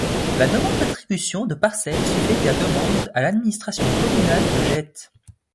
La demande d'attribution de parcelles se fait via demande à l'administration communale de Jette.